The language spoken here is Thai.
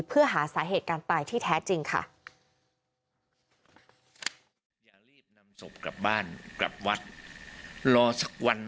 เพื่อหาสาเหตุการตายที่แท้จริงค่ะ